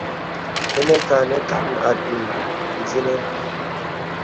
Ìnə kâ nə kan atûŋ sìnə.